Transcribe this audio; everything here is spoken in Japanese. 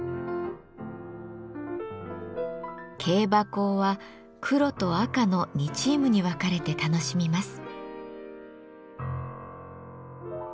「競馬香」は黒と赤の２チームに分かれて楽しみます。